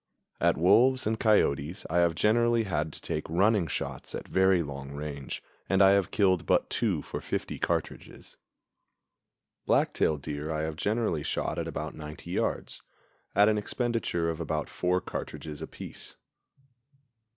At wolves and coyotes I have generally had to take running shots at very long range, and I have killed but two for fifty cartridges. Blacktail deer I have generally shot at about ninety yards, at an expenditure of about four cartridges apiece.